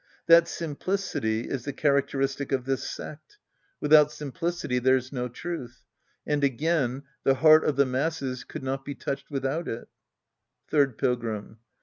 That simplicity is the characteristic of this sect. Without simplicity, there's no truth. And again, the heart of the masses could not be touched without it. Third Pilgrim.